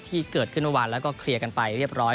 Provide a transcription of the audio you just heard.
ที่เกิดขึ้นเมื่อวานแล้วก็เคลียร์กันไปเรียบร้อย